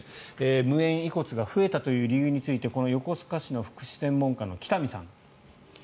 無縁遺骨が増えたという理由について横須賀市の福祉専門官の北見さん